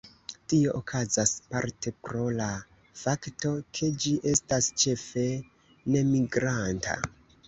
Tio okazas parte pro la fakto ke ĝi estas ĉefe nemigranta.